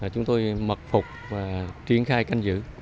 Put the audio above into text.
chúng tôi mật phục và triển khai canh giữ